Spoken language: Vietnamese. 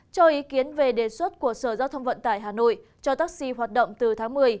cho ý kiến về đề xuất của sở giao thông vận tải hà nội cho taxi hoạt động từ tháng một mươi